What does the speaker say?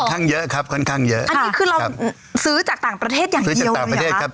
อันนี้คือเราซื้อจากต่างประเทศอย่างเดียวเลยหรือครับ